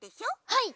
はい！